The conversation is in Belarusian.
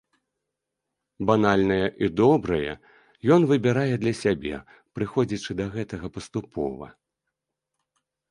Банальнае і добрае ён выбірае для сябе, прыходзячы да гэтага паступова.